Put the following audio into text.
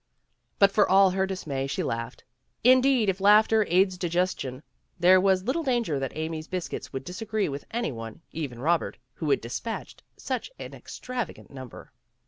But for all her dismay, she laughed. Indeed if laughter aids digestion, there was little danger that Amy's biscuits would disagree with any one, even Eobert, who had dispatched such an extravagant number.